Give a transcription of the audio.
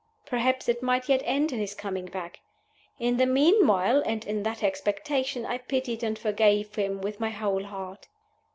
Perhaps it might yet end in his coming back. In the meanwhile, and in that expectation, I pitied and forgave him with my whole heart.